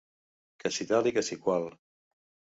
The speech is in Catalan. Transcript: ...que si tal i que si qual